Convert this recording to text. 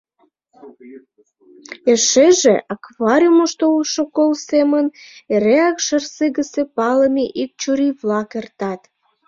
Эшеже, аквариумышто улшо кол семын, эреак Шарсегысе палыме ик чурий-влак эртат.